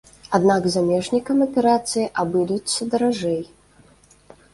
Аднак замежнікам аперацыі абыдуцца даражэй.